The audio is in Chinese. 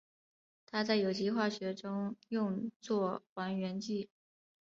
它在有机化学中用作还原剂。